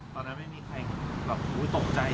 ตอนนั้นไม่มีใครแบบตกใจ